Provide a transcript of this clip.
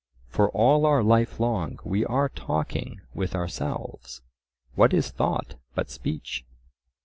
For all our life long we are talking with ourselves:—What is thought but speech?